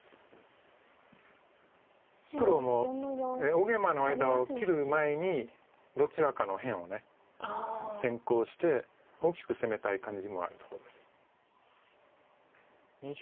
黒も大ゲイマの間を切る前にどちらかの辺を先行して大きく攻めたい感じもあるとこです。